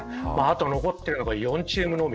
残っているのが４チームのみ。